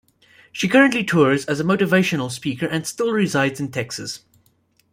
She currently tours as a motivational speaker and still resides in Texas.